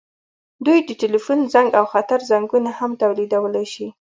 دوی د ټیلیفون زنګ او خطر زنګونه هم تولیدولی شي.